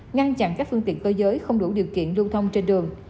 ngăn chặn các phương tiện cơ giới không đủ điều kiện lưu thông trên đường